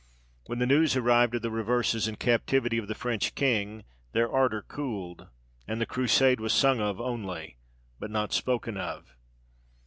When the news arrived of the reverses and captivity of the French king, their ardour cooled; and the Crusade was sung of only, but not spoken of.